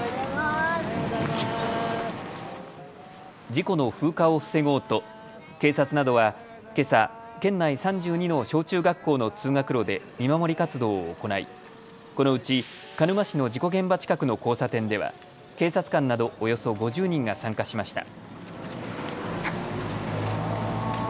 事故の風化を防ごうと警察などはけさ県内３２の小中学校の通学路で見守り活動を行いこのうち鹿沼市の事故現場近くの交差点では警察官などおよそ５０人が参加しました。